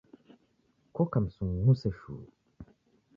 Koka msung'use shuu.